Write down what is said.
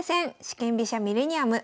四間飛車ミレニアム」